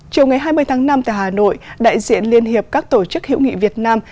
chiều ngày hai mươi tháng năm tại hà nội đại diện liên hiệp các tổ chức hữu nghị việt nam